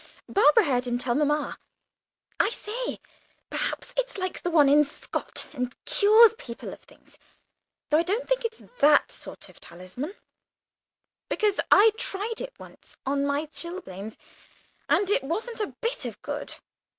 Barbara heard him tell mamma. I say, perhaps it's like the one in Scott, and cures people of things, though I don't think it's that sort of talisman either, because I tried it once on my chilblains, and it wasn't a bit of good.